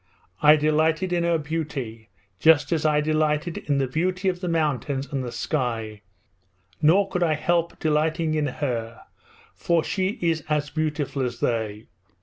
I delighted in her beauty just as I delighted in the beauty of the mountains and the sky, nor could I help delighting in her, for she is as beautiful as they.